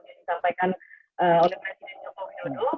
dengan apa yang kemudian disampaikan oleh presiden joko widodo